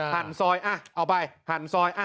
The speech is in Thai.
หั่นซอยเอาไปหั่นซอย